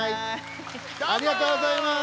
ありがとうございます！